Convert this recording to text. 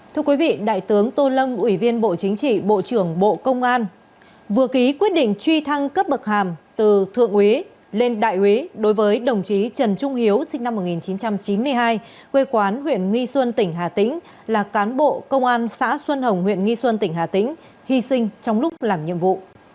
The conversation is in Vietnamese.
thưa quý vị đại tướng tô lâm ủy viên bộ chính trị bộ trưởng bộ công an vừa ký quyết định truy thăng cấp bậc hàm từ thượng úy lên đại úy đối với đồng chí trần trung hiếu sinh năm một nghìn chín trăm chín mươi hai quê quán huyện nghi xuân tỉnh hà tĩnh là cán bộ công an xã xuân hồng huyện nghi xuân tỉnh hà tĩnh hy sinh trong lúc làm nhiệm vụ